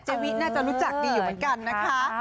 วิน่าจะรู้จักดีอยู่เหมือนกันนะคะ